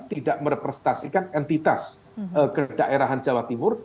tidak merepresentasikan entitas ke daerahan jawa timur